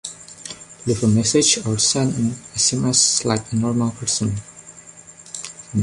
Leave a message or send an SMS like a normal person.